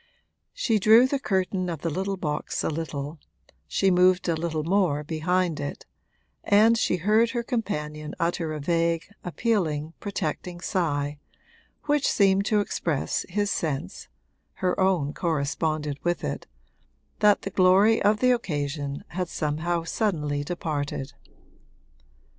She drew the curtain of the box a little, she moved a little more behind it, and she heard her companion utter a vague appealing, protecting sigh, which seemed to express his sense (her own corresponded with it) that the glory of the occasion had somehow suddenly departed.